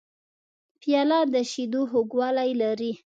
پیاله د شیدو خوږوالی لري.